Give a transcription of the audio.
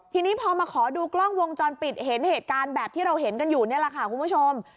ทีนี้พอมาขอดูกล้องวงจรปิดเห็นเหตุการณ์แบบที่เราเห็นกันอยู่นี่แหละค่ะคุณผู้ชม